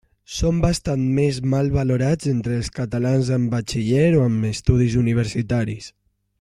Són bastant més mal valorats entre els catalans amb batxiller o amb estudis universitaris.